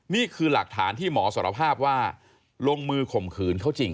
นี่คือหลักฐานที่หมอสารภาพว่าลงมือข่มขืนเขาจริง